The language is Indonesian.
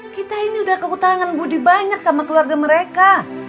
kita ini udah kekutangan budi banyak sama keluarga mereka